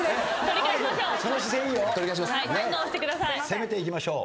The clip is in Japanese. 攻めていきましょう。